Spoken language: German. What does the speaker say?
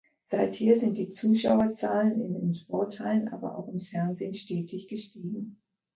Seither sind die Zuschauerzahlen in den Sporthallen, aber auch im Fernsehen, stetig gestiegen.